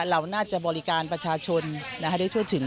เราน่าจะบริการประชาชนให้ได้ทั่วถึง